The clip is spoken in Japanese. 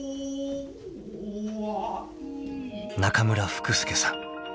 ［中村福助さん］